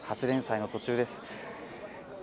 発輦祭の途中です。